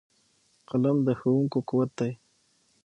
قلم د ښوونکو قوت دی